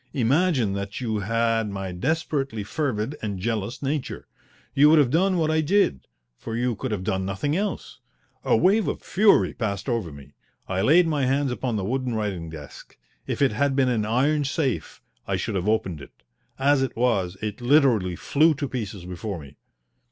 Imagine that you had my desperately fervid and jealous nature. You would have done what I did, for you could have done nothing else. A wave of fury passed over me. I laid my hands upon the wooden writing desk. If it had been an iron safe I should have opened it. As it was, it literally flew to pieces before me.